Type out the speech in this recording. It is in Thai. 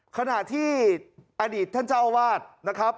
ขณะที่อดีตท่านเจ้าวาดนะครับ